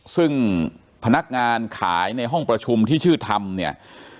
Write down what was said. ซึ่งพนักงานขายในห้องประชุมที่ชื่อธรรมเนี่ย